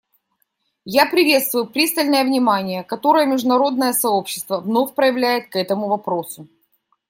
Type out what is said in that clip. Я приветствую пристальное внимание, которое международное сообщество вновь проявляет к этому вопросу.